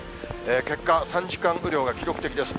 結果、３時間雨量が記録的です。